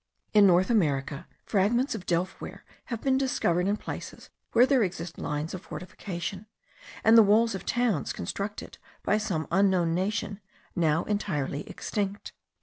In North America, fragments of delf ware have been discovered in places where there exist lines of fortification, and the walls of towns constructed by some unknown nation, now entirely extinct.